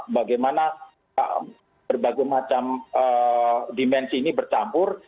bagaimana berbagai macam dimensi ini bercampur